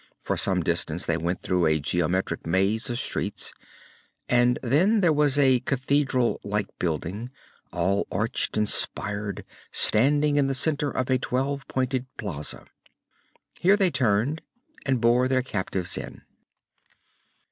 For some distance they went through a geometric maze of streets. And then there was a cathedral like building all arched and spired, standing in the center of a twelve pointed plaza. Here they turned, and bore their captives in.